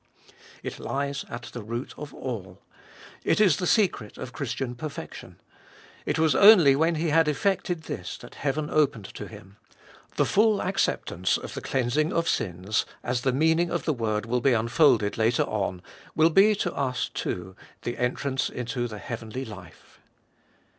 It lies at the root of all. It is the secret of Christian perfection. It was only when He had effected this that heaven opened to Him. The full acceptance of the cleansing of sins, as the meaning of the word will be unfolded later on, will be to us, too, the entrance into the heavenly life.